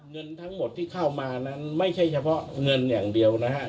เงินทั้งหมดที่เข้ามานั้นไม่ใช่เฉพาะเงินอย่างเดียวนะครับ